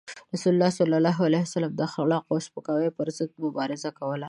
رسول الله صلى الله عليه وسلم د اخلاقو او سپکاوي پر ضد مبارزه کوله.